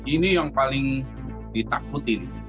ini yang paling ditakutkan